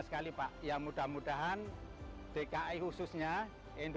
semua tetapi selalu selain